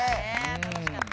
楽しかった。